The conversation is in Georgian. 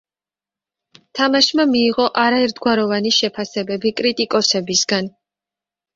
თამაშმა მიიღო არაერთგვაროვანი შეფასებები კრიტიკოსებისგან.